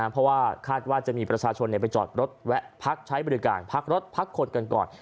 เพราะว่าคาดว่าจะมีประชาชนไปจอดรถแวะพักใช้บริการพักรถพักคนกันก่อน